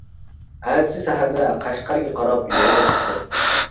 ئەتىسى سەھەردە قەشقەرگە قاراپ يولغا چىقتىم.